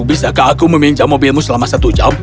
bisakah aku meminjam mobilmu selama satu jam